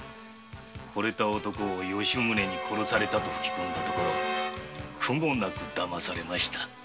惚れた男を吉宗に殺されたとふきこんだところ苦もなくだまされました。